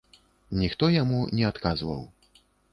Ніхто яму не адказваў.